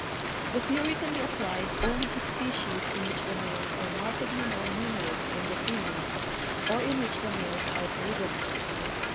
The theory can be applied only to species in which the males are markedly more numerous than the females, or in which the males are polygamous.